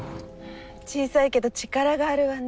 小さいけど力があるわね。